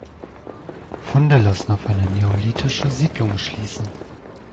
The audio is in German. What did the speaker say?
Funde lassen auf eine neolithische Siedlung schliessen.